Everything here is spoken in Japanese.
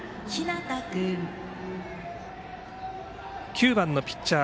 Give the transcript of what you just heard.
９番のピッチャー